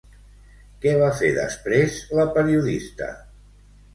Què va fer després la periodista?